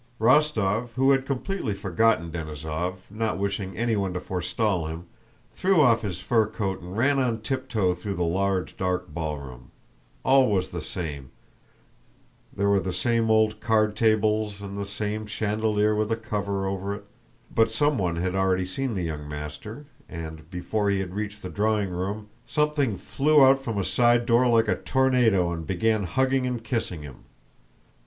Rostóv, who had completely forgotten Denísov, not wishing anyone to forestall him, threw off his fur coat and ran on tiptoe through the large dark ballroom. All was the same: there were the same old card tables and the same chandelier with a cover over it; but someone had already seen the young master, and, before he had reached the drawing room, something flew out from a side door like a tornado and began hugging and kissing him.